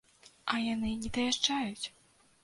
А яны не даязджаюць!